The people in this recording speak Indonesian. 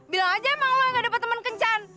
bilang aja emang lo yang gak dapet temen kencan